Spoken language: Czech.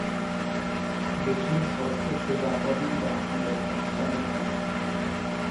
Většina soch ze západní brány byla odstraněna.